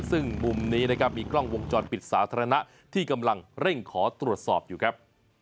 ซึ่งมุมในมีกล้องวงจอดปิดสาธารณะที่เร็งขอตรวจสอบอยู่ครับ